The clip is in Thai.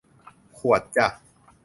ขวดจ้ะ